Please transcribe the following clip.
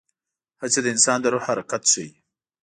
هڅې د انسان د روح حرکت ښيي.